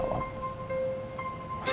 masih tidur kali ya